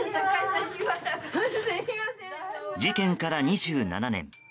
事件から２７年。